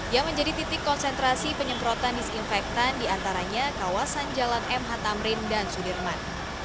yang menjadi titik konsentrasi penyemprotan disinfektan diantaranya kawasan jalan mh tamrin dan sudirman